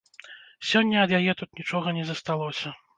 Сёння ад яе тут нічога не засталося.